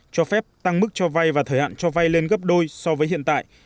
cho phép tăng mức cho vay và thời hạn cho vay lên gấp đôi so với hiện tại